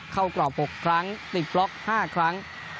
กรอบ๖ครั้งติดบล็อก๕ครั้ง